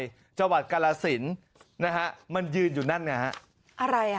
ชีนารายจังหวัดกาลสินมันยืนอยู่นั่นไง